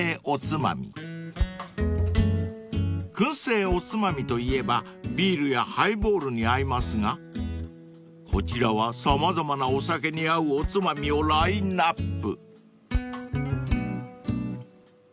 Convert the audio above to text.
［燻製おつまみといえばビールやハイボールに合いますがこちらは様々なお酒に合うおつまみをラインアップ］